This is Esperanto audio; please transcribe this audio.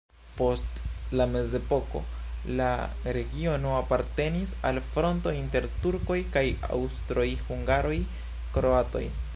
Post la mezepoko la regiono apartenis al fronto inter turkoj kaj aŭstroj-hungaroj-kroatoj.